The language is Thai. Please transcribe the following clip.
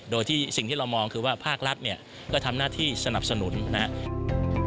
โดยที่สิ่งที่เรามองคือว่าภาครัฐเนี่ยก็ทำหน้าที่สนับสนุนนะครับ